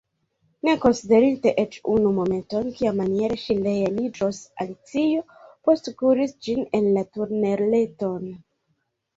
Ne konsiderinte eĉ unu momenton, kiamaniere ŝi reeliĝos, Alicio postkuris ĝin en la tuneleton.